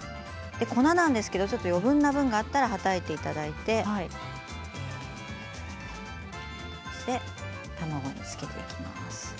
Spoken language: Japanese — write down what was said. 粉は余分な分があったらはたいていただいて卵に付けていきます。